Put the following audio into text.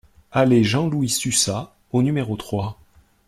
Allée Jean-Louis Sussat au numéro trois